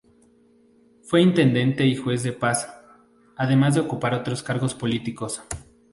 Fue intendente y juez de paz, además de ocupar otros cargos políticos.